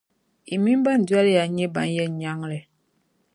yi mini ban doli ya n-nyɛ ban yɛn nyaŋli.